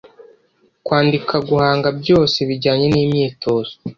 Kwandika guhanga byose bijyanye nimyitozo